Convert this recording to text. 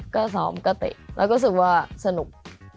ก็ซ้อมปกติแล้วก็รู้สึกว่าสนุก